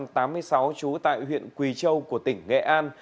trú tại huyện quỳ châu của tỉnh nghệ an